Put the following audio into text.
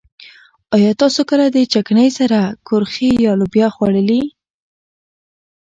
ايا تاسو کله د چکنۍ سره کورخې يا لوبيا خوړلي؟